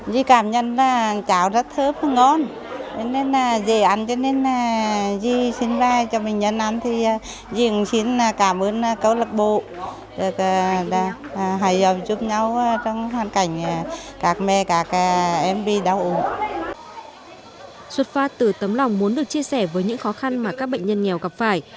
xuất phát từ tấm lòng muốn được chia sẻ với những khó khăn mà các bệnh nhân nghèo gặp phải